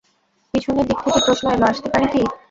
পিছনের দিক থেকে প্রশ্ন এল, আসতে পারি কি।